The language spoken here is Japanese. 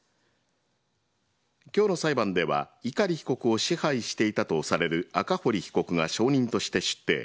今日の裁判では、碇被告を支配していたとされる赤堀被告が証人として出廷。